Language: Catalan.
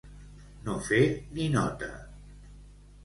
No fer ni nota.